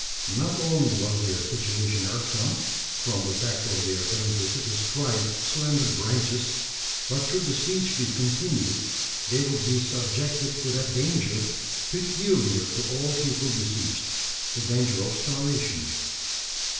Not only was their situation irksome from the fact of their having to sit astride slender branches but should the siege be continued, they would be subjected to that danger peculiar to all people besieged the danger of starvation.